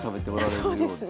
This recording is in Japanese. そうですね。